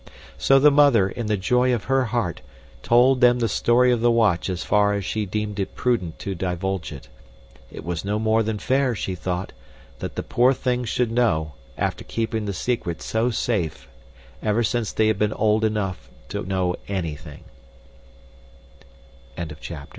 So the mother, in the joy of her heart, told them the story of the watch as far as she deemed it prudent to divulge it. It was no more than fair, she thought, that the poor things should know after keeping the secret so safe ever since they h